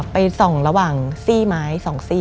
ไปส่องระหว่างซี่ไม้